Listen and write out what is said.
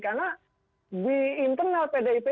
karena di internal pdip